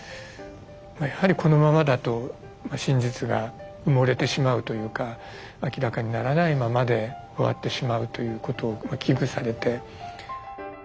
やはりこのままだと真実が埋もれてしまうというか明らかにならないままで終わってしまうということを危惧されて。